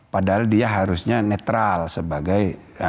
padahal dia harusnya netral sebagai